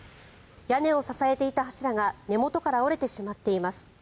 屋根を支えていた柱が根元から折れてしまっています。